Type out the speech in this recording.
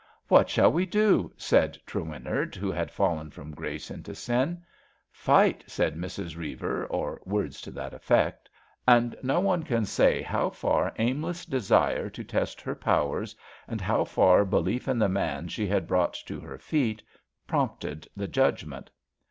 " What shall we do? *' said Trewinnard, who had fallen from grace into sin. Fight,'' said SUPPLEMENTAEY CHAPTER 15T Mrs« Beiver, or words to that effect; and no one can say how far aimless desire to test her powers, and how far belief in the man she had brought to her feet prompted the judgment.